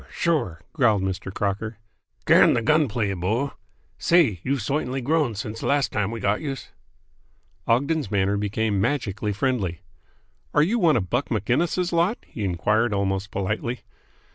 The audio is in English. Sure!" growled Mr. Crocker. "Can the gun play, bo! Say, you've soitanly grown since de last time we got youse!" Ogden's manner became magically friendly. "Are you one of Buck Maginnis' lot?" he enquired almost politely.